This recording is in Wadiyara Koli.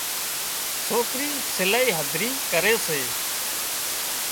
سوڪرِي سلائي هڌري ڪري سي